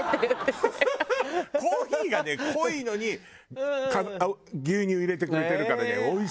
コーヒーがね濃いのに牛乳入れてくれてるからねおいしいのよ。